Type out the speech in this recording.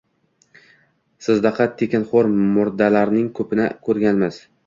Sizdaqa tekinxoʻr murdalarning koʻpini koʻrganmiz.